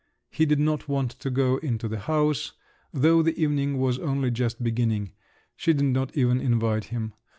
He did not want to go into the house, though the evening was only just beginning. She did not even invite him.